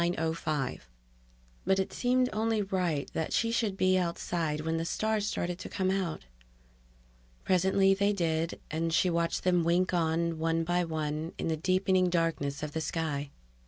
But it seemed only right that she should be outside when the stars started to come out. Presently they did, and she watched them wink on, one by one, in the deepening darkness of the sky.